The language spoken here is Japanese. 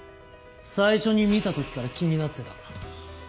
最初に見た時から気になってた。